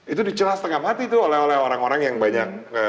itu dicelah setengah mati tuh oleh orang orang yang banyak